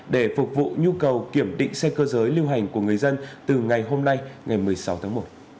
để phục vụ nhu cầu kiểm định xe cơ giới lưu hành của người dân từ ngày hôm nay ngày một mươi sáu tháng một